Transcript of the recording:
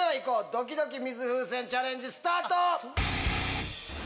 ドキドキ水風船チャレンジスタート！